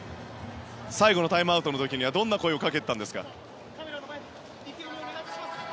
最後のタイムアウトの時にはどんな声をかけていたんですか？